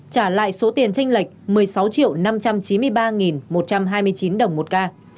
trả lại số tiền tranh lệch một mươi sáu năm trăm chín mươi ba một trăm hai mươi chín đồng một ca